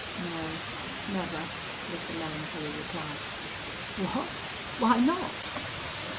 "No. Never," was the melancholy reply. "What! Why not?"